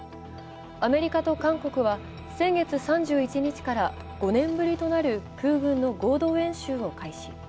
アメリカと韓国は、先月３１日から５年ぶりとなる空軍の合同演習を開始。